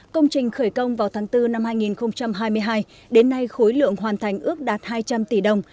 công trình khởi công vào tháng bốn năm hai nghìn hai mươi hai đến nay khối lượng hoàn thành ước đạt hai trăm linh tỷ đồng